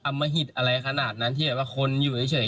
มหิตอะไรขนาดนั้นที่แบบว่าคนอยู่เฉย